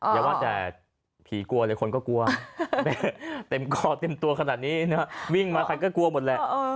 อย่าว่าแต่ผีกลัวเลยคนก็กลัวเต็มคอเต็มตัวขนาดนี้นะวิ่งมาใครก็กลัวหมดแหละ